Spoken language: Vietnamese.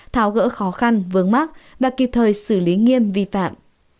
tháo gỡ khó khăn vướng mắt và kịp thời xử lý nghiêm vi phạm